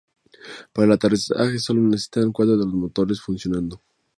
Para el aterrizaje sólo se necesitarían cuatro de los motores funcionando.